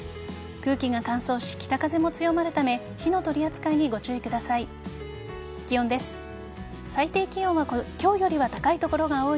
空気が乾燥し、北風も強まるため火の取り扱いにご注意ください。